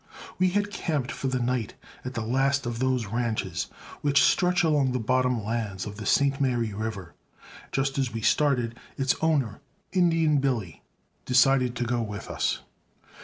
We had camped for the night at the last of those ranches which stretch along the bottom lands of the St. Mary River, and just as we started, its owner, Indian Billy, decided to go with us.